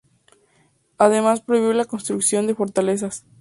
Además prohibió la construcción de fortalezas.